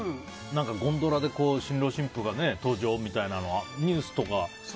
ゴンドラで新郎新婦が登場みたいなのはニュースとかで。